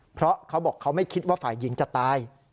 เพราะเขาบอกเขาไม่คิดว่าฝ่ายหญิงจะตาย